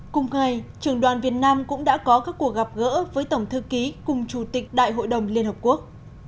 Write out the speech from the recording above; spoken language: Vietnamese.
cùng ngày trường đoàn việt nam cũng đã có các cuộc gặp gỡ với tổng thư ký cùng chủ tịch đại hội đồng liên hợp quốc